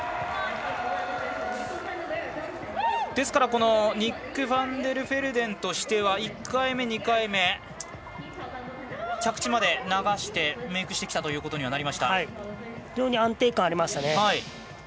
ですからニック・ファンデルフェルデンとしては１回目、２回目、着地まで流してメイクしてきたということには非常に安定感ありましたね。